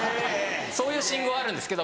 そういう信号はあるんですけど。